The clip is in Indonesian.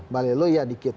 balai lo ya dikit